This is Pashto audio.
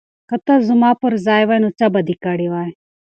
که ته زما پر ځای وای نو څه به دې کړي وای؟